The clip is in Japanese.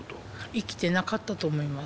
生きてなかったと思います。